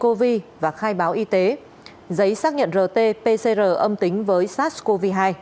covid một mươi chín và khai báo y tế giấy xác nhận rt pcr âm tính với sars cov hai